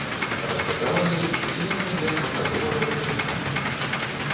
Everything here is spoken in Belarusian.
Распрацаваны спецыяльна для шматразовага выкарыстання.